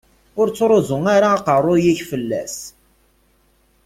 Ur ttruẓu ara aqerru-k fell-as.